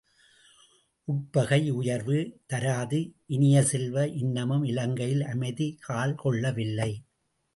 உட்பகை உயர்வு தராது இனிய செல்வ, இன்னமும் இலங்கையில் அமைதி கால் கொள்ளவில்லை.